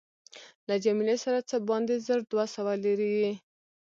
له جميله سره څه باندې زر دوه سوه لیرې وې.